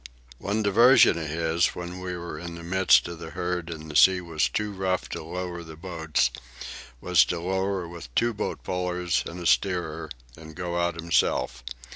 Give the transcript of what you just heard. One diversion of his, when we were in the midst of the herd and the sea was too rough to lower the boats, was to lower with two boat pullers and a steerer and go out himself.